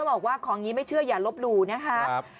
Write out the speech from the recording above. บอกว่าของนี้ไม่เชื่ออย่าลบหลู่นะครับ